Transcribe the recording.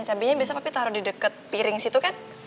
cabenya papi biasa taruh di deket piring situ kan